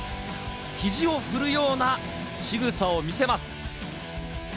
肘を振るようなしぐさを見せます。